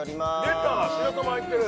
出た白玉入ってる！